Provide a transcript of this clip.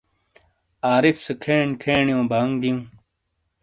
عارف سے کھین کھینو بانگ دیوں۔